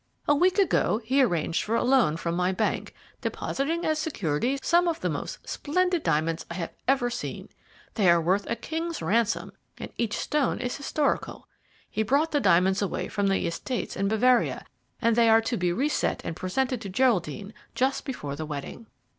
A week ago he arranged for a loan from my bank, depositing as security some of the most splendid diamonds I have ever seen. They are worth a king's ransom and each stone is historical. He brought the diamonds away from the estates in Bavaria, and they are to be reset and presented to Geraldine just before the wedding."